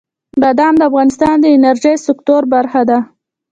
بادام د افغانستان د انرژۍ سکتور برخه ده.